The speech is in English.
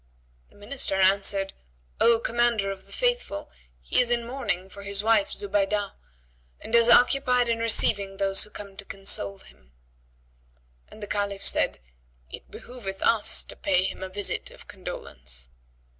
The Minister answered, "O Commander of the Faithful, he is in mourning for his wife Zubaydah; and is occupied in receiving those who come to console him;" and the Caliph said, "It behoveth us to pay him a visit of condolence."